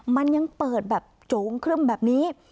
มันยังเปิดแบบโจงครึ่มแบบนี้